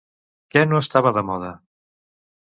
Què no estava de moda?